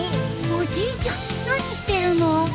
おじいちゃん何してるの？